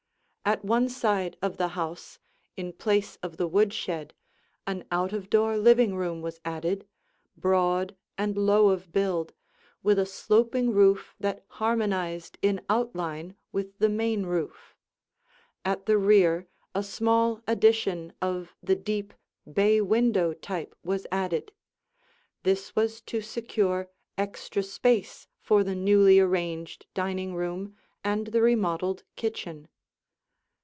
At one side of the house, in place of the woodshed, an out of door living room was added, broad and low of build, with a sloping roof that harmonized in outline with the main roof. At the rear a small addition of the deep, bay window type was added; this was to secure extra space for the newly arranged dining room and the remodeled kitchen.